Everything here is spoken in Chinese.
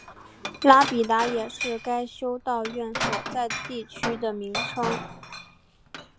拉比达也是该修道院所在地区的名称。